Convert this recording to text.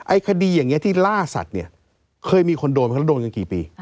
ไอ้คดีอย่างนี้ที่ล่าสัตว์เนี่ยเคยมีคนโดยไม่รู้ถึงอย่างกี่ปี